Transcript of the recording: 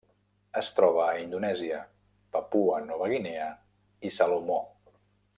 Es troba a Indonèsia, Papua Nova Guinea i Salomó.